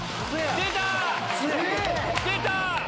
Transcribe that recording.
出た！